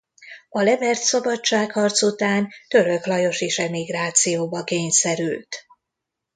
A levert szabadságharc után Török Lajos is emigrációba kényszerült.